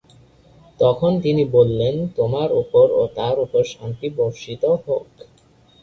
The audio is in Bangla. তখন তিনি বললেন, "তোমার উপর ও তার উপর শান্তি বর্ষিত হোক।"